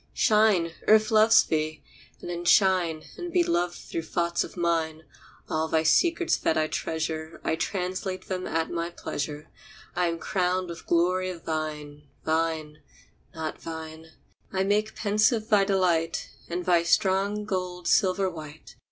Shine, Earth loves thee! And then shine And be loved through thoughts of mine. All thy secrets that I treasure I translate them at my pleasure. I am crowned with glory of thine. Thine, not thine. I make pensive thy delight, And thy strong gold silver white.